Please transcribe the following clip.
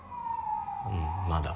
うんまだ